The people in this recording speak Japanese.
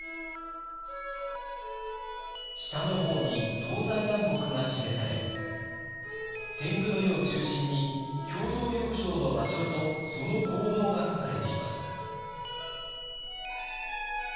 下の方に東西南北が示され天狗の湯を中心に共同浴場の場所とその効能が書かれています。